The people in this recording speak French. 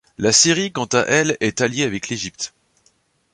La Syrie quant à elle est alliée avec l’Égypte.